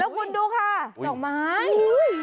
แล้วคุณดูค่ะนอกไม้